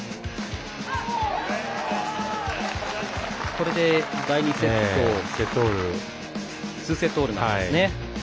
これで第２セット２セットオールになったんですね。